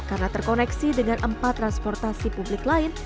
karena terkoneksi dengan empat transportasi publik lain